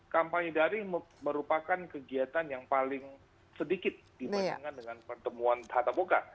kampanye daring merupakan kegiatan yang paling sedikit dibandingkan dengan pertemuan tatap muka